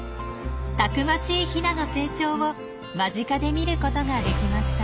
たくましいヒナの成長を間近で見ることができました。